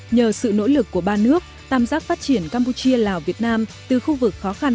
nhờ sự nỗ lực của ba nước tạm giác phát triển campuchia lào việt nam từ khu vực khó khăn